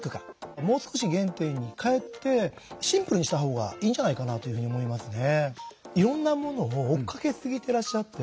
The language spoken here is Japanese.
もう少し原点に返ってシンプルにしたほうがいいんじゃないかなというふうに思いますね。